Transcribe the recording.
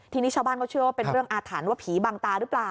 ทีนี้ชาวบ้านเขาเชื่อว่าเป็นเรื่องอาถรรพ์ว่าผีบังตาหรือเปล่า